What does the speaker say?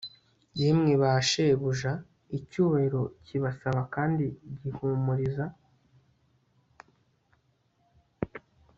Yemwe ba shebuja icyubahiro kibasaba kandi gihumuriza